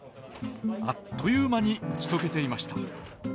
あっという間に打ち解けていました。